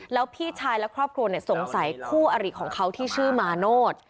แล้วพี่ชายและครอบครัวสงสัยคู่อริของเขาที่ชื่อมาโนธ